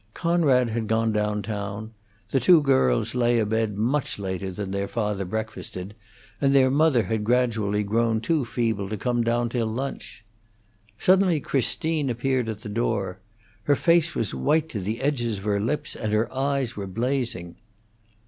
Conrad had gone down town; the two girls lay abed much later than their father breakfasted, and their mother had gradually grown too feeble to come down till lunch. Suddenly Christine appeared at the door. Her face was white to the edges of her lips, and her eyes were blazing.